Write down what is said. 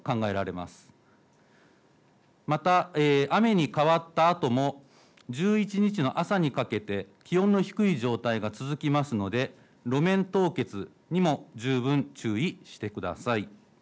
また雨に変わったあとも１１日の朝にかけて気温の低い状態が続きますので路面凍結にも十分注意してください。